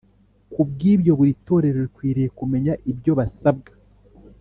ku bw ibyo buri torero rikwiriye kumenya ibyo basabwa